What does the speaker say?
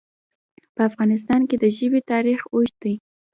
په افغانستان کې د ژبې تاریخ اوږد دی.